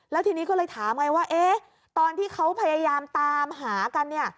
แล้วทีนี้ก็เลยถามไงว่าตอนที่เขาพยายามตามหากันเนี่ย